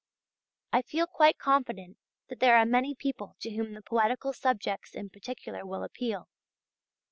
I feel quite confident that there are many people to whom the poetical subjects in particular will appeal.